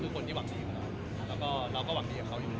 ครับผมมีคุยแต่คุยแบบไม่ได้ไม่ได้พัฒนาแบบนั้น